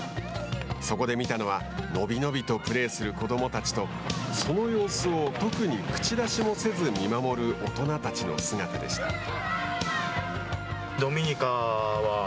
そこで見たのは伸び伸びとプレーする子どもたちとその様子を特に口出しもせず見守る大人たちの姿でした。